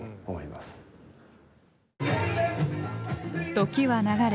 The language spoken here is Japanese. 時は流れ